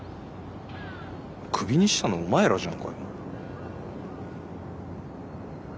クビにしたのお前らじゃんかよ。